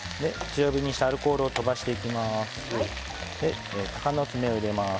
強火にしてアルコールを飛ばしていきます。